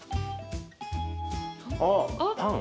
あっパン。